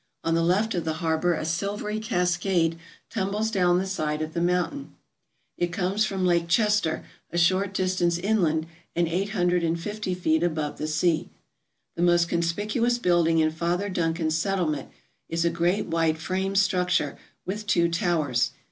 On the left of the harbour a silvery cascade tumbles down the side of the mountain. 17 ALASKA OUR NORTHERN WONDERLAND It comes from Lake Chester a short distance inland and eight hundred and fifty feet above the sea. The most conspicuous building in Father Duncan's settlement is a great white frame structure with two towers.